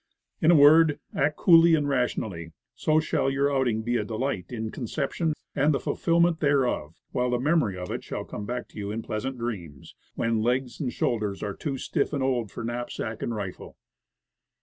In a word, act coolly and rationally. So shall your outing be a delight in conception and the ful fillment thereof; while the memory of it shall come back to you in pleasant dreams, when legs and shoul ders are too stiff and old for knapsack and rifle.